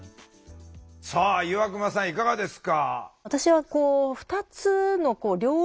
さあ岩隈さんいかがですか？